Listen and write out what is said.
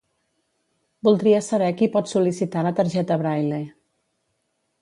Voldria saber qui pot sol·licitar la targeta Braile.